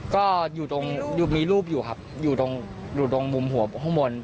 ก็อยู่ตรงมีรูปอยู่ครับอยู่ตรงมุมหัวข้างบน